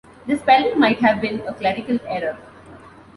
This spelling might have been a clerical error.